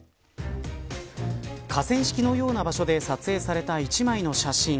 河川敷のような場所で撮影された１枚の写真。